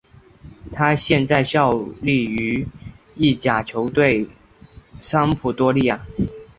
他现在效力于意甲球队桑普多利亚。